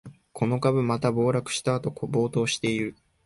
この株、また暴落したあと暴騰してる